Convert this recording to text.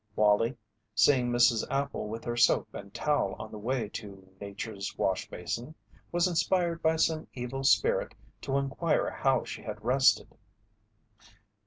Wallie, seeing Mrs. Appel with her soap and towel on the way to "Nature's wash basin," was inspired by some evil spirit to inquire how she had rested.